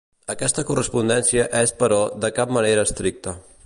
Aquesta correspondència és però de cap manera estricta.